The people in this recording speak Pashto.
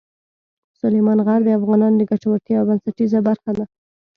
سلیمان غر د افغانانو د ګټورتیا یوه بنسټیزه برخه ده.